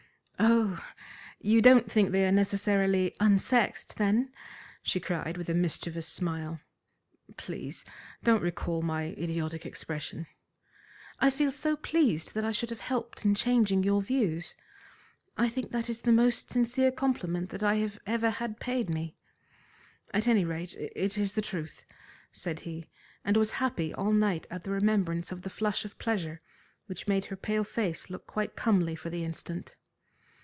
"Oh, you don't think they are necessarily unsexed, then?" she cried, with a mischievous smile. "Please don't recall my idiotic expression." "I feel so pleased that I should have helped in changing your views. I think that it is the most sincere compliment that I have ever had paid me." "At any rate, it is the truth," said he, and was happy all night at the remembrance of the flush of pleasure which made her pale face look quite comely for the instant.